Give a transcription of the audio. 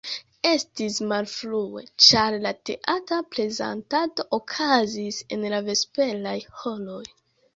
Estis malfrue, ĉar la teatra prezentado okazis en la vesperaj horoj.